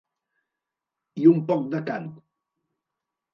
I un poc de cant.